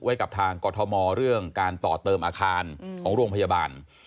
กับทางกรทมเรื่องการต่อเติมอาคารของโรงพยาบาล